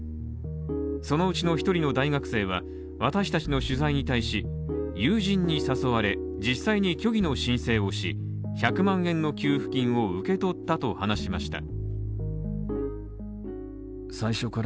そのうちの１人の大学生は私達の取材に対し、友人に誘われ、実際に虚偽の申請をし、１００万円の給付金を受け取ったと話しました。